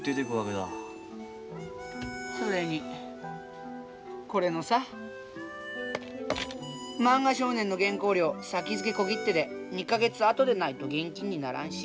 それにこれのさ「漫画少年」の原稿料先付小切手で２か月あとでないと現金にならんし。